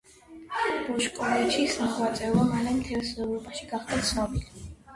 ბოშკოვიჩის მოღვაწეობა მალე მთელს ევროპაში გახდა ცნობილი.